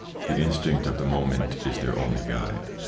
The instinct of the moment is their only guide.